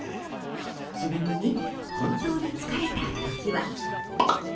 ちなみに、本当に疲れた時は。